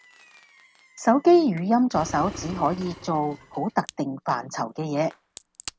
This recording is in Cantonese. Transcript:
手機語音助手只可以做好特定範疇嘅嘢